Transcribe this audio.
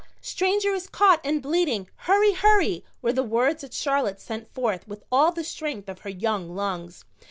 "Stranger is caught and bleeding! Hurry, hurry!" were the words that Charlotte sent forth with all the strength of her young lungs.